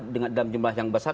dengan jumlah yang besar